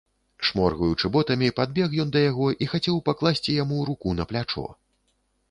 Шморгаючы ботамі, падбег ён да яго і хацеў пакласці яму руку на плячо.